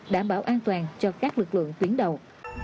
đảm bảo an toàn cho các lực lượng tuyến đầu